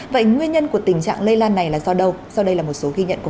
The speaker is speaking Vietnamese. vậy nguyên nhân của tình trạng lây lan này là do đâu